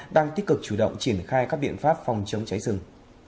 đang tích cực chủ động triển khai các biện pháp phòng chống cháy rừng